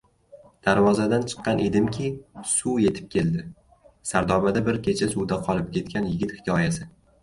«Darvozadan chiqqan edimki, suv yetib keldi» — Sardobada bir kecha suvda qolib ketgan yigit hikoyasi